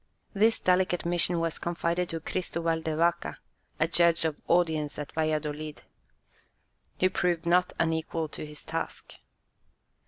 This delicate mission was confided to Christoval de Vaca, a judge of audience at Valladolid, who proved not unequal to his task.